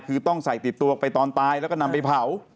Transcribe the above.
คือต้องใส่ติดตัวไปตอนตายแล้วก็นำไปเผา